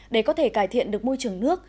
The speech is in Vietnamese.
để có thể cải thiện được môi trường nước